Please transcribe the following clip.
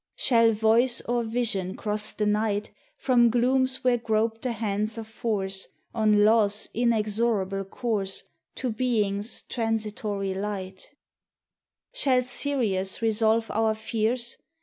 Shall voice or vision cross the night From glooms where grope the hands of Force On law's inexorable course, To Being's transitory light? 66 THE TESTIMONY OF THE SUNS. Shall Sirius resolve our fears?